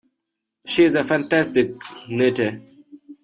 She's a fantastic knitter.